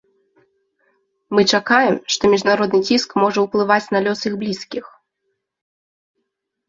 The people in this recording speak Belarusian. Мы чакаем, што міжнародны ціск можа ўплываць на лёс іх блізкіх.